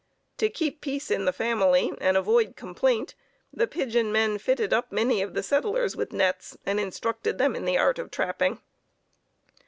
To "keep peace in the family" and avoid complaint, the pigeon men fitted up many of the settlers with nets, and instructed them in the art of trapping.